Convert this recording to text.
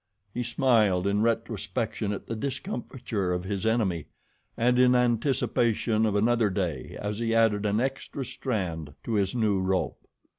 He smiled in retrospection at the discomfiture of his enemy, and in anticipation of another day as he added an extra strand to his new rope.